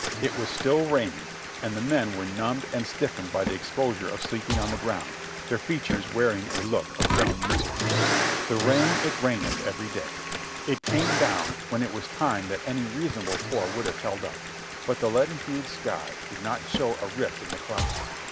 It was still raining and the men were numbed and stiffened by the exposure of sleeping on the ground, their features wearing a look of dumb misery. "The rain it reigneth every day ;" it came down when it was time that any reasonable pour would have held up ; but the leaden hued sky did not show a rift in the clouds.